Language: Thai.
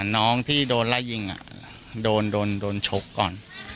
น้องที่โดนไล่ยิงโดนชกก่อน